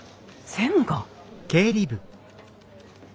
専務が？